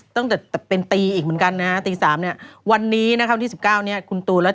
ตั้งแต่เป็นตีอีกเหมือนกันนะครับ